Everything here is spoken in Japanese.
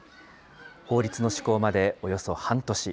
法律の施行までおよそ半年。